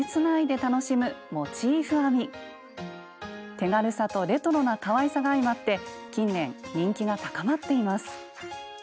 手軽さとレトロなかわいさが相まって近年人気が高まっています。